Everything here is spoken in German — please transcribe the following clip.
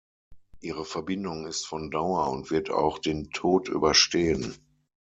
Ihre Verbindung ist von Dauer und wird auch den Tod überstehen.